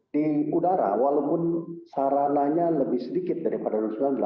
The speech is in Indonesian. di udara walaupun sarananya lebih sedikit daripada dua ribu sembilan belas